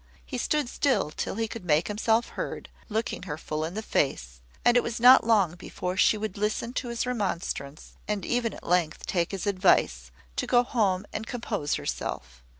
He stood still till he could make himself heard, looking her full in the face; and it was not long before she would listen to his remonstrance, and even at length take his advice, to go home and compose herself.